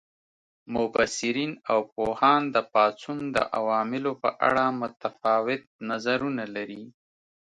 مبصرین او پوهان د پاڅون د عواملو په اړه متفاوت نظرونه لري.